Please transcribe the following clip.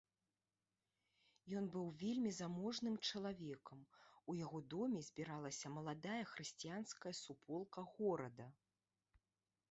Ён быў вельмі заможным чалавекам, у яго доме збіралася маладая хрысціянская суполка горада.